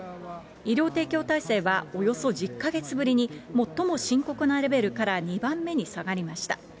医療提供体制はおよそ１０か月ぶりに、最も深刻なレベルから２番目に下がりました。